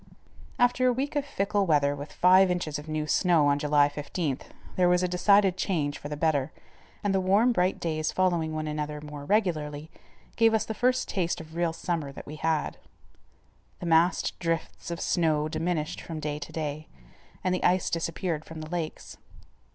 After a week of fickle weather with five inches of new snow on July 15th, there was a decided change for the better, and the warm, bright days following one another more regularly gave us the first taste of real summer that we had. The massed drifts of snow diminished from day to day and the ice disappeared from the lakes.